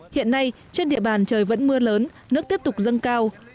hiện nay trên địa bàn trời vẫn mưa lớn nước tiếp tục dâng cao